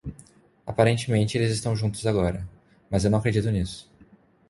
Aparentemente eles estão juntos agora, mas eu não acredito nisso.